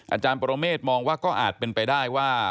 อาจารย์ปรเมฆมองว่าก็อาจเป็นไปได้ว่า